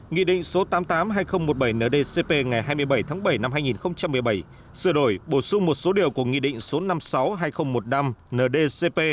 nghị định số tám mươi tám hai nghìn một mươi bảy ndcp ngày hai mươi bảy tháng bảy năm hai nghìn một mươi bảy sửa đổi bổ sung một số điều của nghị định số năm trăm sáu mươi hai nghìn một mươi năm ndcp